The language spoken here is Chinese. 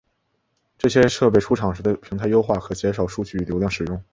这些设备出厂时的平台优化可减少数据流量使用。